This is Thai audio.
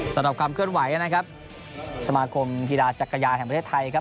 สำหรับความเคลื่อนไหวนะครับสมาคมกีฬาจักรยานแห่งประเทศไทยครับ